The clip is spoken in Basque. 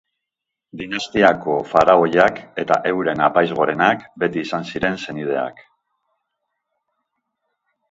Dinastiako faraoiak eta euren Apaiz Gorenak, beti izan ziren senideak.